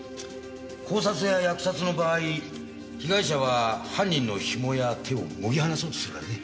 絞殺や扼殺の場合被害者は犯人のひもや手をもぎ離そうとするからね。